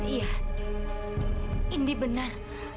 iya indi benar